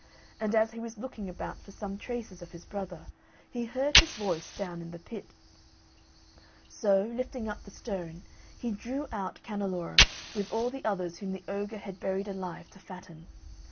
And as he was looking about for some traces of his brother, he heard his voice down in the pit; so, lifting up the stone, he drew out Canneloro, with all the others whom the ogre had buried alive to fatten.